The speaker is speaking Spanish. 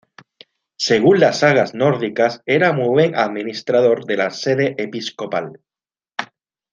Según las sagas nórdicas era muy buen administrador de la sede episcopal.